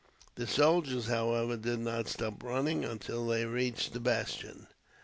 The soldiers, however, did not stop running until they reached the bastion.